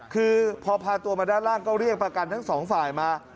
คือพอพาตัวมาด้านล่างก็เรียกประกันทั้งสองฝ่ายมา